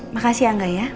makasih angga ya